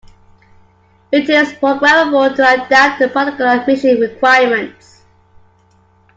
It is programmable to adapt to particular mission requirements.